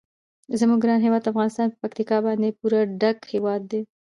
زموږ ګران هیواد افغانستان په پکتیکا باندې پوره ډک هیواد دی.